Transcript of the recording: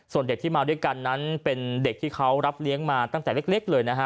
ส่วนเด็กที่มาด้วยกันนั้นเป็นเด็กที่เขารับเลี้ยงมาตั้งแต่เล็กเลยนะฮะ